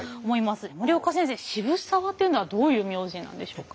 森岡先生渋沢というのはどういう名字なんでしょうか？